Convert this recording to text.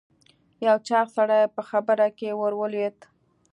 یو چاغ سړی په خبره کې ور ولوېد.